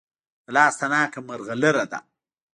د لاس تڼاکه ملغلره ده.